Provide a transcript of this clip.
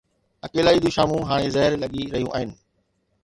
اڪيلائي جون شامون هاڻي زهر لڳي رهيون آهن.